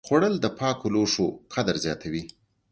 خوړل د پاکو لوښو قدر زیاتوي